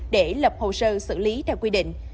để lập hồ sơ xử lý theo quy định